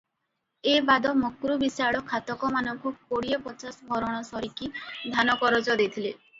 ଏ ବାଦ ମକ୍ରୁ ବିଶାଳ ଖାତକମାନଙ୍କୁ କୋଡିଏ ପଚାଶ ଭରଣ ସରିକି ଧାନ କରଜ ଦେଇଥିଲେ ।